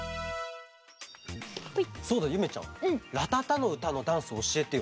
そうだゆめちゃん「らたたのうた」のダンスおしえてよ。